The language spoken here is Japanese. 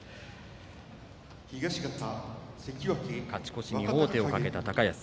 勝ち越しに王手をかけた高安。